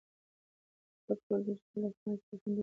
تاسو خپل ټول ډیجیټل اسناد په یو خوندي فولډر کې ځای پر ځای کړئ.